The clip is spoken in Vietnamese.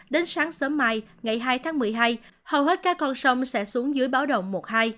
đến sáng sớm mai ngày hai tháng một mươi hai hầu hết các con sông sẽ xuống dưới báo động một hai